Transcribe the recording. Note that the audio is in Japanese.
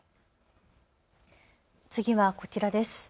次はこちらです。